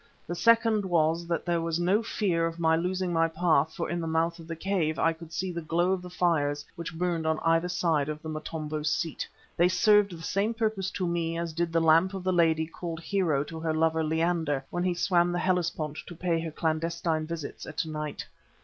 The second was that there was no fear of my losing my path for in the mouth of the cave I could see the glow of the fires which burned on either side of the Motombo's seat. They served the same purpose to me as did the lamp of the lady called Hero to her lover Leander when he swam the Hellespont to pay her clandestine visits at night.